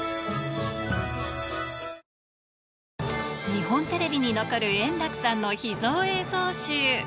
日本テレビに残る円楽さんの秘蔵映像集。